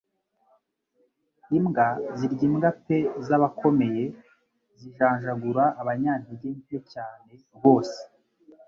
Imbwa zirya imbwa pe zabakomeye zijanjagura abanyantege nke cyane rwose